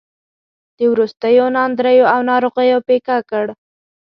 د وروستیو ناندریو او ناروغیو پېکه کړ.